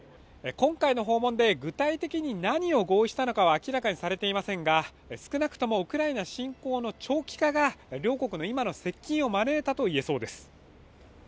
今回の訪問で具体的に何を合意したのかは明らかにされていませんが、少なくともウクライナ侵攻の長期化が両国の今の接近を招いたといえそうです。